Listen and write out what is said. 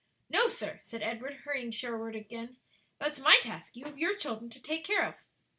"No, sir," said Edward, hurrying shoreward again, "that's my task; you have your children to take care of."